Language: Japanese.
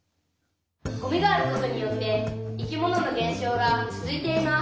「ゴミがあることによって生き物の減少が続いています」。